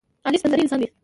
علي سپینزړی انسان دی.